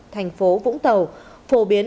thành phố vũng tàu phổ biến